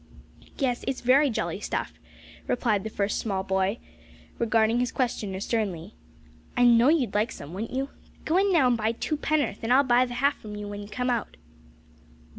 "Yes, it's very jolly stuff," replied the first small boy, regarding his questioner sternly. "I know you'd like some, wouldn't you? Go in now an' buy two pen'orth, and I'll buy the half from you w'en you come out."